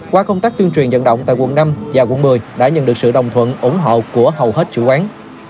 qua công tác tuyên truyền dẫn động tại quận năm và quận một mươi đã nhận được sự đồng thuận ủng hộ của hầu hết chủ quán